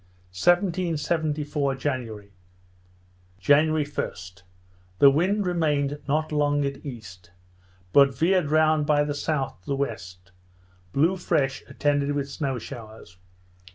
1774 January January 1st, the wind remained not long at east, but veered round by the south to the west; blew fresh, attended with snow showers.